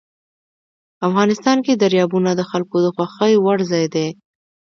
افغانستان کې دریابونه د خلکو د خوښې وړ ځای دی.